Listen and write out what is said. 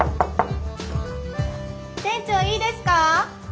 店長いいですか？